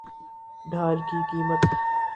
ڈھال کی قیمت